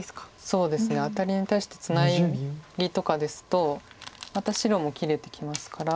そうですねアタリに対してツナギとかですとまた白も切れてきますから。